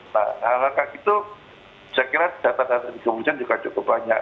nah langkah itu saya kira data data di kepolisian juga cukup banyak